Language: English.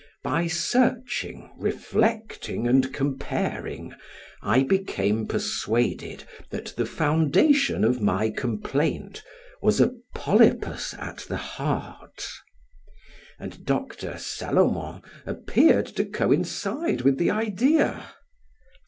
By searching, reflecting, and comparing, I became persuaded that the foundation of my complaint was a polypus at the heart, and Doctor Salomon appeared to coincide with the idea.